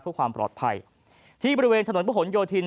เพื่อความปลอดภัยที่บริเวณถนนประหลโยธิน